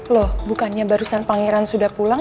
loh bukannya barusan pangeran sudah pulang